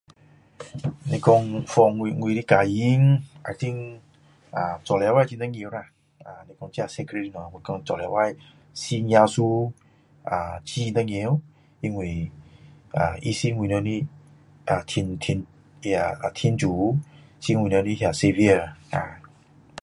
你讲 for 我的家人 I think 做礼拜很重要啦我说做礼拜信耶稣很重要因为他是我们的天主是我们的 savior